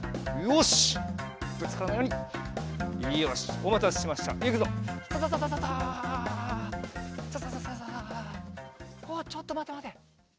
おっちょっとまてまて。